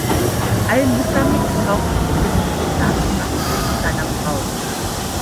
Al-Mu'tamid kaufte sie ihrem Besitzer ab und machte sie zu seiner Frau.